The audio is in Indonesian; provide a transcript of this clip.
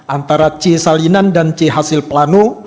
antara c salinan dan c hasil plano